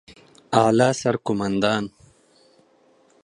اعلى سرقومندان